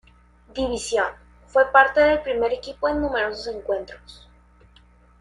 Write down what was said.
División, fue parte del primer equipo en numerosos encuentros.